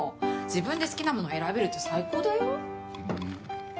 自分で好きなもの選べると最高だよ。